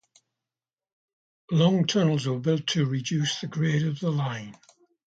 Long tunnels were built to reduce the grade of the line.